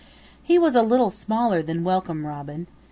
He was a little smaller than Welcome Robin.